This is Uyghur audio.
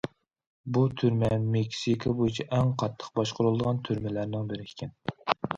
بۇ تۈرمە مېكسىكا بويىچە ئەڭ قاتتىق باشقۇرۇلىدىغان تۈرمىلەرنىڭ بىرى ئىكەن.